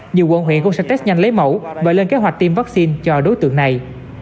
nhiều quận huyện cũng sẽ test nhanh lấy mẫu và lên kế hoạch tiêm vaccine cho đối tượng này